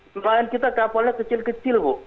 selain kita kapalnya kecil kecil bu